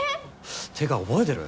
ってか覚えてる？